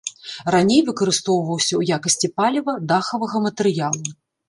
Раней выкарыстоўваўся ў якасці паліва, дахавага матэрыялу.